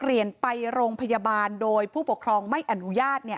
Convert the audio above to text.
กรณีที่ไม่นำตัวเด็กส่งโรงพยาบาลอาจเข้าข่ายเป็นการประมาทเลิศเลิศ